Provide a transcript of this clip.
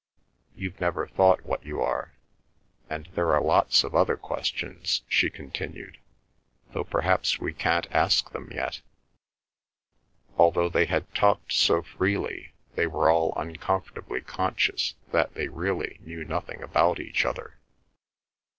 You've never thought what you are.—And there are lots of other questions," she continued, "though perhaps we can't ask them yet." Although they had talked so freely they were all uncomfortably conscious that they really knew nothing about each other.